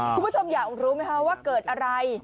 คุณผู้ชมอยากรู้ไหมคะว่าเกิดอะไร